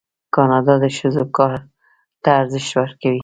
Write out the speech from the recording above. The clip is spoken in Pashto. کاناډا د ښځو کار ته ارزښت ورکوي.